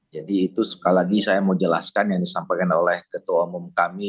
jadi itu sekali lagi saya mau jelaskan yang disampaikan oleh ketua umum kami